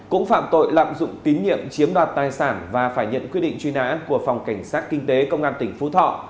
cũng phạm tội lạm dụng tín nhiệm chiếm đoạt tài sản và phải nhận quyết định truy nã của phòng cảnh sát kinh tế công an tỉnh phú thọ